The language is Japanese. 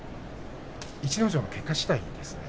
逸ノ城の結果しだいですね。